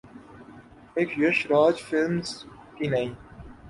ایک ’یش راج فلمز‘ کی نئی